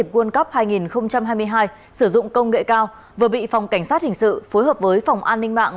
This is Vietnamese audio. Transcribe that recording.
world cup hai nghìn hai mươi hai sử dụng công nghệ cao vừa bị phòng cảnh sát hình sự phối hợp với phòng an ninh mạng